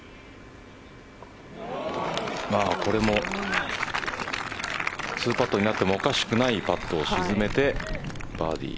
これも２パットになってもおかしくないパットを沈めてバーディー。